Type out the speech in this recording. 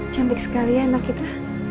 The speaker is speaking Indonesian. cantik sekali ya anak kita